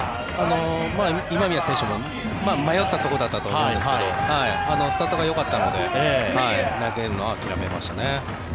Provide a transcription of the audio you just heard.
今宮選手も迷ったところだったと思いますけどスタートがよかったので投げるのを諦めましたね。